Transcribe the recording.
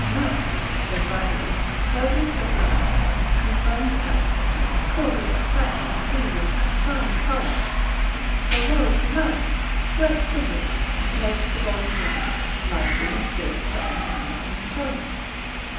Mirth, (saith Vives) purgeth the blood, confirms health, causeth a fresh, pleasing, and fine colour, prorogues life, whets the wit, makes the body young, lively and fit for any manner of employment.